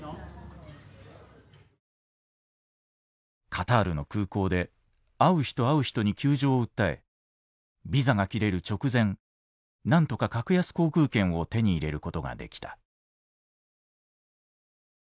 カタールの空港で会う人会う人に窮状を訴えビザが切れる直前なんとか格安航空券を手に入れることができた。